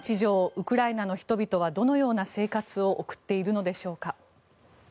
ウクライナの人々はどのような生活を送っているのでしょうか。